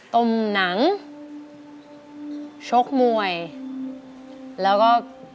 มหนังชกมวยแล้วก็